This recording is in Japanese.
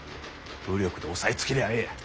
武力で抑えつけりゃええ。